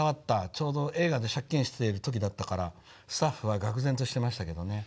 ちょうど映画で借金をしている時だったからスタッフはがく然としていましたけどね。